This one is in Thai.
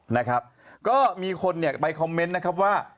นะครับก็มีคนเนี่ยไปคอมเมนต์นะครับว่า